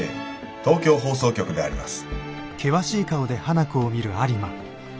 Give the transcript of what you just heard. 東京放送局であります。